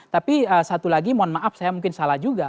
tapi satu lagi mohon maaf saya mungkin salah juga